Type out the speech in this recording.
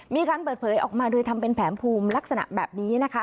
มีการเปิดเผยออกมาโดยทำเป็นแผนภูมิลักษณะแบบนี้นะคะ